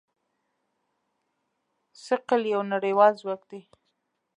ثقل یو نړیوال ځواک دی.